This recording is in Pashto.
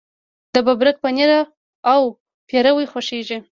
د ببرک پنیر او پیروی خوښیږي.